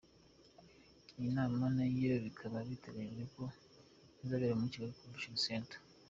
Iyi nama nayo bikaba biteganyijwe ko izabera muri Kigali Convention Centre.